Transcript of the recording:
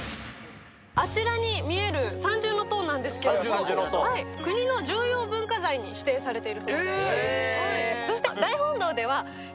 あちらに見える三重塔なんですけど、国の重要文化財に指定されています。